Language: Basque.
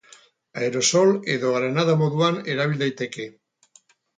Aerosol edo granada moduan erabil daiteke.